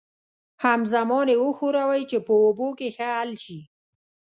همزمان یې وښورئ چې په اوبو کې ښه حل شي.